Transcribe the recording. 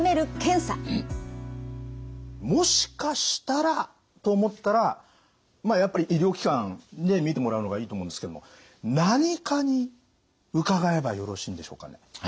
もしかしたらと思ったらやっぱり医療機関で診てもらうのがいいと思うんですけども何科に伺えばよろしいんでしょうかね？